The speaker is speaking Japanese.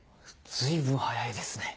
随分早いですね。